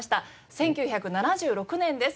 １９７６年です。